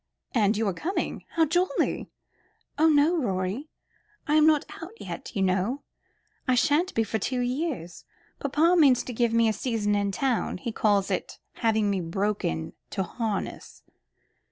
"And you are coming? How jolly!" "Oh, no, Rorie. I am not out yet, you know. I shan't be for two years. Papa means to give me a season in town. He calls it having me broken to harness.